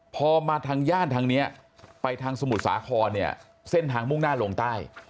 พอมาทางย่านทางนี้ไปทางสมุทรสาครเนี่ยเส้นทางมุ่งหน้าลงใต้